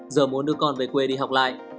giờ muốn đưa con về quê đi học lại